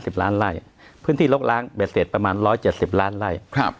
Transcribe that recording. ล้านไล่พื้นที่ลกล้างเบ็ดเสร็จประมาณร้อยเจ็ดสิบล้านไล่ครับ